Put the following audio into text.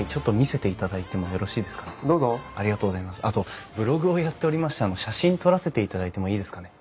あとブログをやっておりまして写真撮らせていただいてもいいですかね？